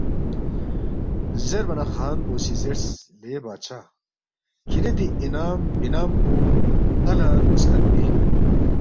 زیربا نہ خان پو سی زیرس، لے بادشاہ کِھری دی انعام بِنام پو ن٘ا لہ رگوس کھن مین